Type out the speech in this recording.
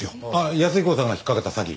安彦さんが引っかかった詐欺？